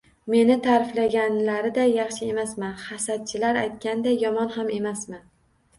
Meni taʼriflaganlariday yaxshi emasman, hasadchilar aytganday yomon ham emasman